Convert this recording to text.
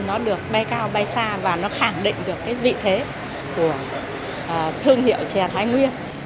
nó được bay cao bay xa và nó khẳng định được cái vị thế của thương hiệu chè thái nguyên